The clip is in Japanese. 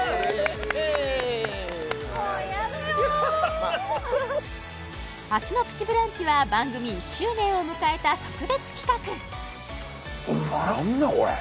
もうやだよ明日の「プチブランチ」は番組１周年を迎えた特別企画うまい・何だこれ？